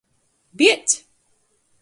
Biedz!